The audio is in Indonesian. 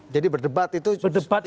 jadi berdebat itu sehari hari